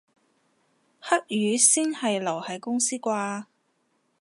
黑雨先係留喺公司啩